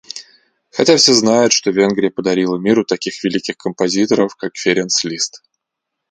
хотя все знают, что Венгрия подарила миру таких великих композиторов как Ференц Лист